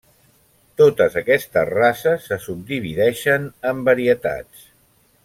Totes aquestes races se subdivideixen en varietats.